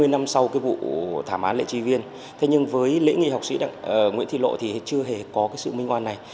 hai mươi năm sau cái vụ thảm án lễ tri viên thế nhưng với lễ nghị học sĩ nguyễn thị lộ thì chưa hề có cái sự minh oan này